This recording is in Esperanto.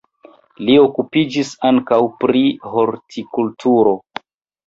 Li okupiĝis ankaŭ pri hortikulturo.